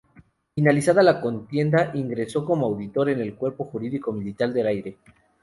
Finalizada la contienda ingresó como auditor en el Cuerpo Jurídico Militar del Aire.